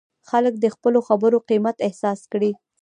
خلک دې د خپلو خبرو قیمت احساس کړي.